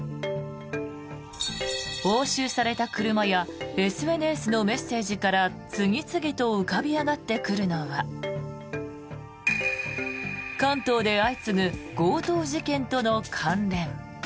押収された車やＳＮＳのメッセージから次々と浮かび上がってくるのは関東で相次ぐ強盗事件との関連。